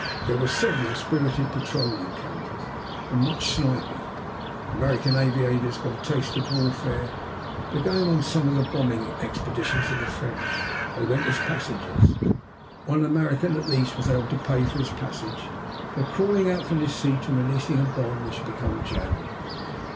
There were several spirited patrol encounters and much sniping. American aviators got a taste of warfare by going on some of the bombing expeditions of the French. They went as passengers, but one American at least was able to pay for his passage by crawling out from his seat and releasing a bomb which had become jammed.